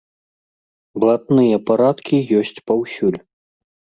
Блатныя парадкі ёсць паўсюль.